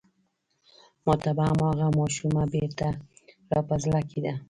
ما ته به هماغه ماشومه بېرته را په زړه کېده.